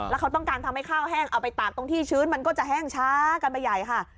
แล้วเขาต้องการทำให้ข้าวแห้งเอาไปตากตรงที่ชื้นมันก็จะแห้งช้ากันไปใหญ่ค่ะ